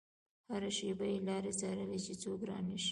هره شېبه يې لارې څارلې چې څوک رانشي.